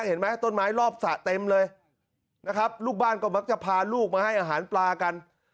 เห็นไหมต้นไม้รอบสระเต็มเลยนะครับลูกบ้านก็มักจะพาลูกมาให้อาหารปลากัน